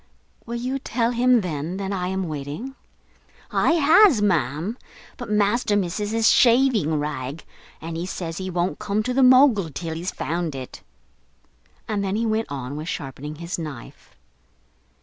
"Will you tell him, then, that I am waiting?" "I has, ma'am; but master misses his shaving rag, and he says he won't come to the Mogul till he's found it." And then he went on with sharpening his knife.